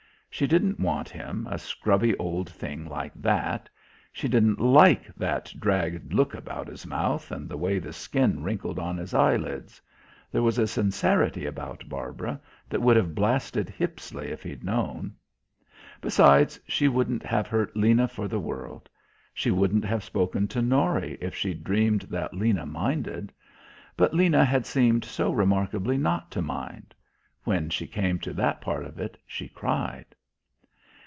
She didn't want him, a scrubby old thing like that. She didn't like that dragged look about his mouth and the way the skin wrinkled on his eyelids. There was a sincerity about Barbara that would have blasted Hippisley if he'd known. Besides, she wouldn't have hurt Lena for the world. She wouldn't have spoken to Norry if she'd dreamed that Lena minded. But Lena had seemed so remarkably not to mind. When she came to that part of it she cried.